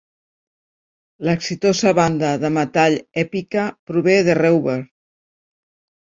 L'exitosa banda de metall Epica prové de Reuver.